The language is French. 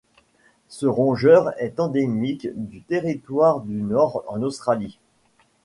Ce rongeur est endémique du Territoire du Nord en Australie.